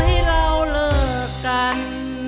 ให้เราเลิกกัน